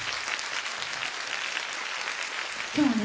今日はね